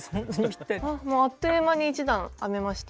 もうあっという間に１段編めました。